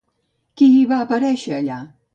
Qui hi va aparèixer allà?